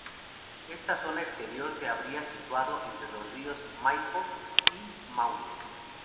Esta zona exterior se habría situado entre los ríos Maipo y Maule.